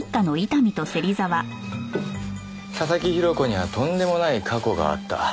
佐々木広子にはとんでもない過去があった。